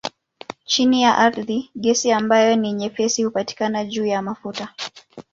Chini ya ardhi gesi ambayo ni nyepesi hupatikana juu ya mafuta.